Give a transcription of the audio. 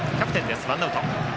ワンアウト。